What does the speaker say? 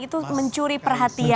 itu mencuri perhatian